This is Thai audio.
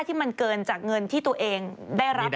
ที่มันเกินจากเงินที่ตัวเองได้รับ